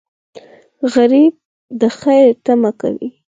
غریب د خیر تمه کوي